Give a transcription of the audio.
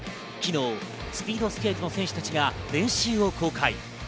昨日、スピードスケートの選手たちが練習を公開。